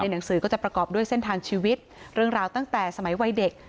หนังสือก็จะประกอบด้วยเส้นทางชีวิตเรื่องราวตั้งแต่สมัยวัยเด็ก